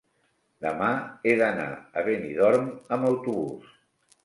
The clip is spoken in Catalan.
Demà he d'anar a Benidorm amb autobús.